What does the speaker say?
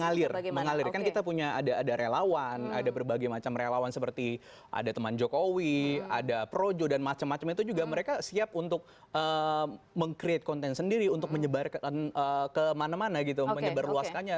mengalir mengalir kan kita punya ada relawan ada berbagai macam relawan seperti ada teman jokowi ada projo dan macam macam itu juga mereka siap untuk meng create konten sendiri untuk menyebar kemana mana gitu menyebarluaskannya